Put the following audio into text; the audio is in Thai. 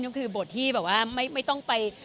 ก็คือบทที่แบบว่าไม่ต้องไป